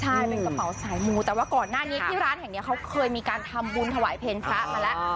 ใช่เป็นกระเป๋าสายมูแต่ว่าก่อนหน้านี้ที่ร้านแห่งนี้เขาเคยมีการทำบุญถวายเพลงพระมาแล้ว